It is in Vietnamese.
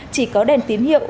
chỉ có đèn tín hiệu